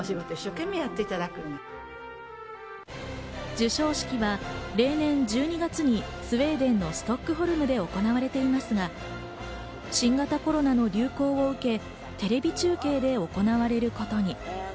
授賞式は例年１２月にスウェーデンのストックホルムで行われていますが、新型コロナの流行を受け、テレビ中継で行われることに。